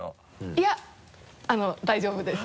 いや大丈夫です。